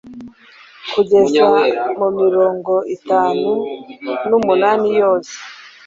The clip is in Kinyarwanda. kugeza mumirongo itanu numunani yose